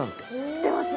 知ってます！